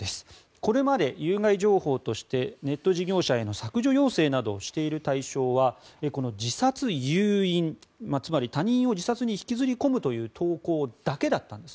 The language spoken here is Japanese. これまで、有害情報としてネット事業者への削除要請をしている対象はこの自殺誘因、つまり他人を自殺に引きずり込むという投稿だけだったんです。